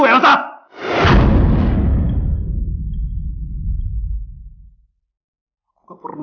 kalau kamu tidak tau aku akan meng eyebrow kamu lagi